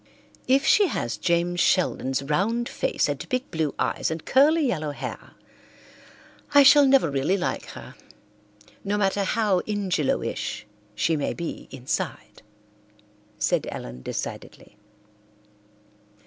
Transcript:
"If she has James Sheldon's round face and big blue eyes and curly yellow hair I shall never really like her, no matter how Ingelowish she may be inside," said Ellen decidedly.